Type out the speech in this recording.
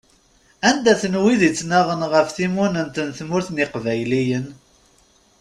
Anda-ten wid ittnaɣen ɣef timunent n tmurt n Iqbayliyen?